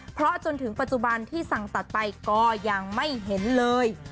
เพราะจนถึงปัจจุบันที่สั่งตัดไปก็ยังไม่เห็นเลย